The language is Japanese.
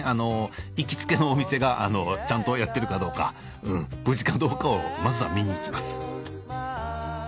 行きつけのお店がちゃんとやってるかどうか無事かどうかをまずは見に行きます。